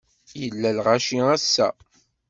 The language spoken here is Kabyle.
Yella lɣaci ass-a.